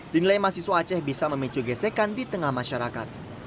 dinilai mahasiswa aceh bisa memicu gesekan di tengah masyarakat